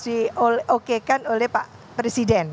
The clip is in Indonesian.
di okekan oleh pak presiden